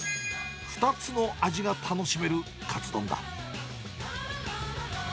２つの味が楽しめるカツ丼だ。